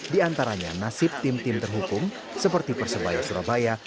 di antaranya nasib tim tim terhukum seperti persebaya surabaya